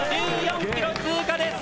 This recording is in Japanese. １４ｋｍ通過です。